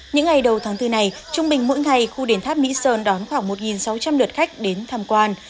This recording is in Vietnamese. những ngày đầu tháng bốn này trung bình mỗi ngày khu đền tháp mỹ sơn đón khoảng một sáu trăm linh lượt khách đến tham quan